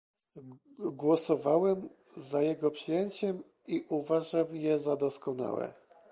Głosowałem za jego przyjęciem i uważam je za doskonałe